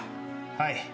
はい。